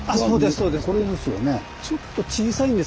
そうです。